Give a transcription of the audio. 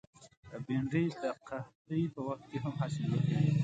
بېنډۍ د قحطۍ په وخت کې هم حاصل ورکوي